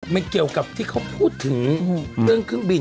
เกี่ยวกับที่เขาพูดถึงเรื่องเครื่องบิน